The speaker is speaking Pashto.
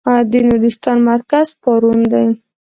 د نورستان مرکز پارون دی.